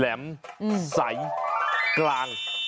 แหลมใสกลาง